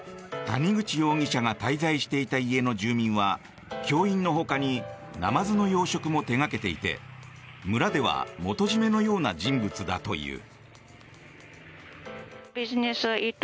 谷口容疑者が滞在していた家の住民は教員のほかにナマズの養殖も手掛けていて村では元締のような人物だという。